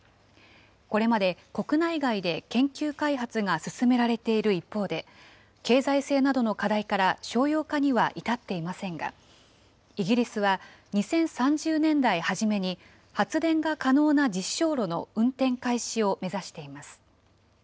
これまで国内外で研究開発が進められている一方で、経済性などの課題から商用化には至っていませんが、イギリスは２０３０年代初めに、発電が可能な実証炉の運転開始を目指しています。